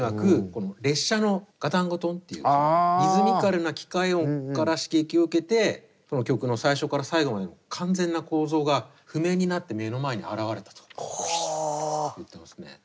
この列車のガタンゴトンっていうリズミカルな機械音から刺激を受けてこの曲の最初から最後までの完全な構造が譜面になって目の前に現れたと言ってますね。